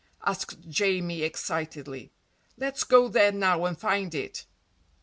asked Jamie excitedly. "Let's go there now and find it!"